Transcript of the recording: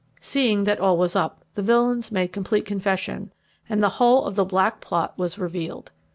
Seeing that all was up, the villains made complete confession, and the whole of the black plot was revealed.